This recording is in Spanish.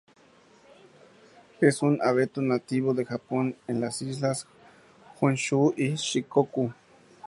Es un abeto nativo de Japón en las islas de Honshu y Shikoku.